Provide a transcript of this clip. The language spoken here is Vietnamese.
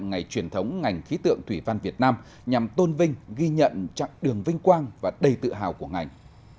ngày truyền thống ngành khí tượng thủy văn việt nam nhằm tôn vinh ghi nhận trạng đường vinh quang và đầy tự hào của ngành